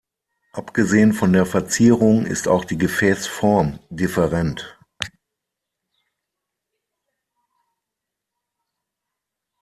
Abgesehen von der Verzierung ist auch die Gefäßform different.